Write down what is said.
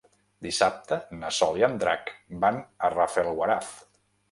Dissabte na Sol i en Drac van a Rafelguaraf.